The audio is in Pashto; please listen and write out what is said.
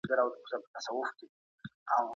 ځینې یوازې افقي پوهه لري.